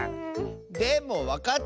でもわかったかも！